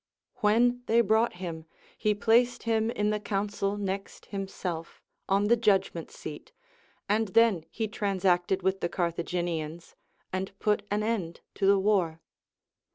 AVhen they brought him, he placed him in the council next himself, on the judgment seat, and then he transacted Avith the C'arthaginians and put an end to the war.